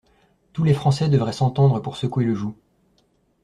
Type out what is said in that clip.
Tous les Français devraient s’entendre pour secouer le joug.